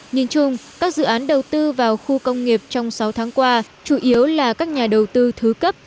nhìn chung các dự án đầu tư vào khu công nghiệp trong sáu tháng qua chủ yếu là các nhà đầu tư thứ cấp